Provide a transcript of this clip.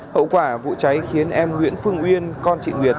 hậu quả vụ cháy khiến em nguyễn phương uyên con chị nguyệt